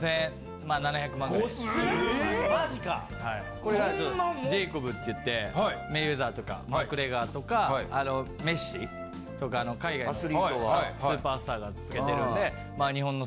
これがジェイコブっていってメイウェザーとかマクレガーとかメッシとか海外のスーパースターが着けてるんで。